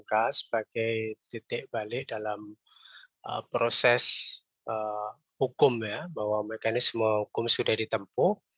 kpk sebagai titik balik dalam proses hukum ya bahwa mekanisme hukum sudah ditempuh